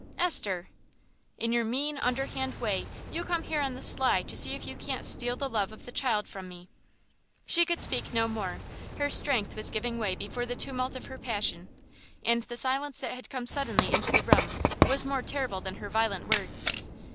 "Esther!" "In your mean, underhand way you come here on the sly to see if you can't steal the love of the child from me." She could speak no more; her strength was giving way before the tumult of her passion, and the silence that had come suddenly into the room was more terrible than her violent words.